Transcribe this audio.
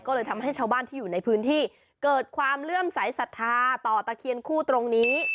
ก็เลยทำให้ชาวบ้านที่อยู่ในพื้นที่เกิดความเลื่อมสายศรัทธาต่อตะเคียนคู่ตรงนี้